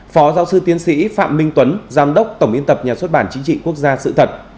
phó giáo sư tiến sĩ phạm minh tuấn giám đốc tổng biên tập nhà xuất bản chính trị quốc gia sự thật